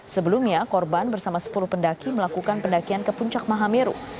sebelumnya korban bersama sepuluh pendaki melakukan pendakian ke puncak mahameru